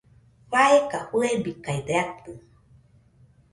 faeka fɨebikaide atɨ